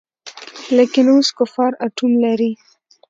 لکېن اوس کفار آټوم لري.